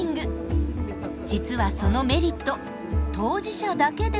実はそのメリット当事者だけではないんです。